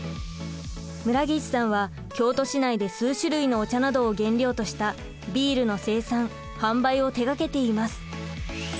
村岸さんは京都市内で数種類のお茶などを原料としたビールの生産販売を手がけています。